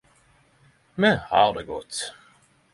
Me har det godt.